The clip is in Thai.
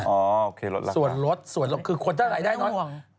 โอเคลดราคาส่วนลดส่วนลดคือคนที่รายได้น้อยไม่ต้องห่วง